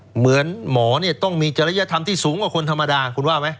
เหมือนหมอเนี่ยต้องมีจริยธรรมที่สูงกว่าคนธรรมดาคุณว่าไหม